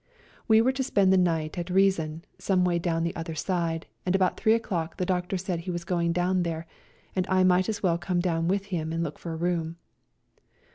We were to spend the night at Resan, some way down the other side, and about 3 o'clock the doctor said he was going down there, and I might as well come down with him and look for a room.